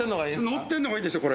のってんのがいいでしょ